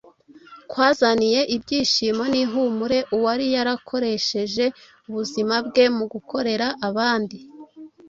kwazaniye ibyishimo n’ihumure uwari yarakoresheje ubuzima bwe mu gukorera abandi.